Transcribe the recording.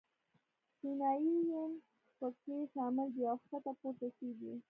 چینایي ین په کې شامل دي او ښکته پورته کېږي.